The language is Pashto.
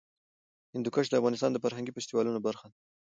هندوکش د افغانستان د فرهنګي فستیوالونو برخه ده.